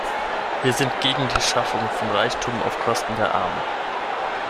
Wir sind gegen die Schaffung von Reichtum auf Kosten der Armen.